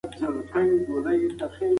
همکاري د ستونزو حل اسانه کوي.